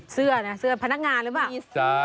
เสื้อนะเสื้อพนักงานหรือเปล่า